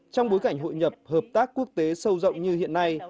trong bối cảnh hội nhập hợp tác quốc tế sâu rộng như hiện nay